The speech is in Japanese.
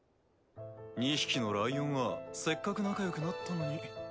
２匹のライオンはせっかく仲よくなったのに。